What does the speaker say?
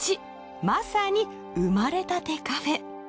まさに生まれたてカフェ。